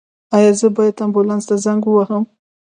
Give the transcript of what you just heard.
ایا زه باید امبولانس ته زنګ ووهم؟